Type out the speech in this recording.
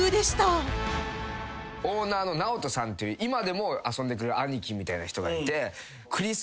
オーナーのナオトさんっていう今でも遊んでくれる兄貴みたいな人がいて。